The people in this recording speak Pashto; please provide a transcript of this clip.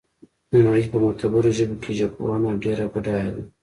د نړۍ په معتبرو ژبو کې ژبپوهنه ډېره بډایه ده